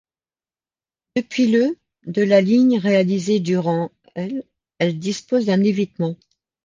Depuis le de la ligne réalisé durant l', elle dispose d'un évitement.